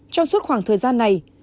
trong suốt khoảng thời gian này